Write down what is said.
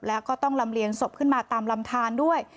แล้วก็ต้องลำเลียงศพขึ้นมาตามลำทานด้วย